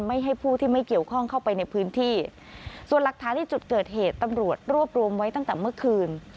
ให้ผู้ที่ไม่เกี่ยวข้องเข้าไปในพื้นที่ส่วนหลักฐานที่จุดเกิดเหตุตำรวจรวบรวมไว้ตั้งแต่เมื่อคืน